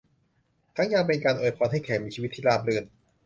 ทั้งยังเป็นการอวยพรให้แขกมีชีวิตที่ราบรื่น